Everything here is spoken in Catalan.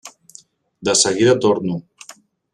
De seguida torno.